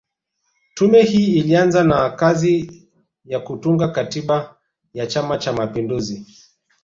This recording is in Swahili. Tume hii ilianza na kazi ya kutunga Katiba ya Chama Cha mapinduzi